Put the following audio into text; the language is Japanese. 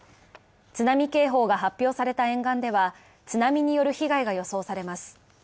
津波警報が発表された沿岸では、津波による被害が予想されます。